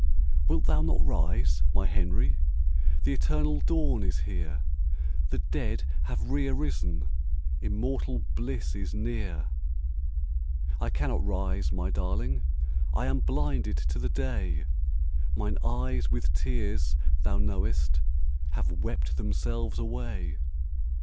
"Wilt thou not rise, my Henry? The eternal dawn is here; The dead have re arisen, Immortal bliss is near." "I cannot rise, my darling, I am blinded to the day. Mine eyes with tears, thou knowest, Have wept themselves away."